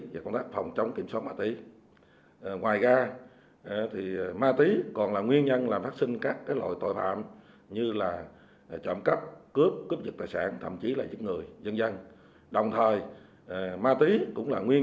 và dùng ma túy cũng là nguyên nhân làm phát sinh các loại tệ nạn xã hội khác